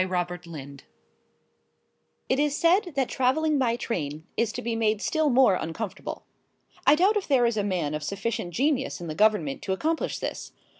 XIV IN THE TRAIN It is said that travelling by train is to be made still more uncomfortable. I doubt if there is a man of sufficient genius in the Government to accomplish this.